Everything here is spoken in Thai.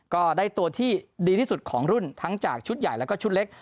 ก็ได้ตัวที่ดีที่สุดของรุ่นทั้งจากชุดใหญ่แล้วก็ชุดเล็ก